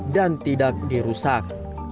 dan tidak dirusak